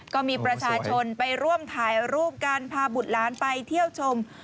ก็มีประชาชนไปร่วมถ่ายรูปการพาบุตรหลานไปเที่ยวชม